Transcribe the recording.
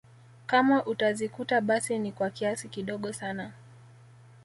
Kama utazikuta basi ni kwa kiasi kidogo sana